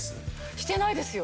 してないですよ。